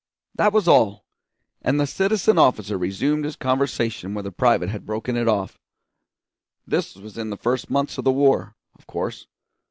That was all, and the citizen officer resumed his conversation where the private had broken it off. This was in the first months of the war, of course.